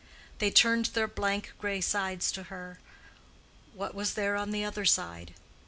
They turned their blank gray sides to her: what was there on the other side?